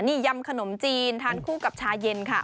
นี่ยำขนมจีนทานคู่กับชาเย็นค่ะ